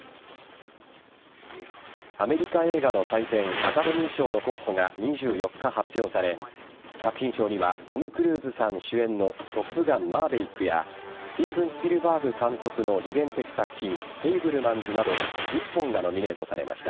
アメリカ映画の祭典アカデミー賞の候補が２４日、発表され作品賞にはトム・クルーズさん主演の「トップガンマーヴェリック」やスティーブン・スピルバーグ監督の自伝的作品「フェイブルマンズ」など１０本がノミネートされました。